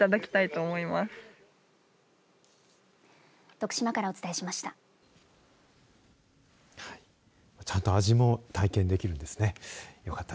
徳島からお伝えしました。